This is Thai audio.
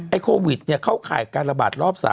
ไอ้โควิดเนี่ยเขาขายการระบาดรอบ๓